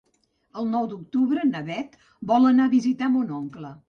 El nou d'octubre na Bet vol anar a visitar mon oncle.